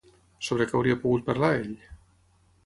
Sobre què hauria pogut parlar ell?